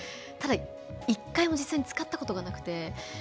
ただ、１回も実際に使ったことがなくて。